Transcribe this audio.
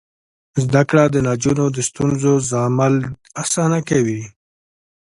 زده کړه د نجونو د ستونزو زغمل اسانه کوي.